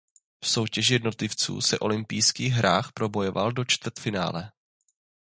V soutěži jednotlivců se olympijských hrách probojoval do čtvrtfinále.